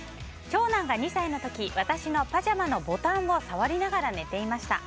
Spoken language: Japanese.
長男が２歳の時私のパジャマのボタンを触りながら寝ていました。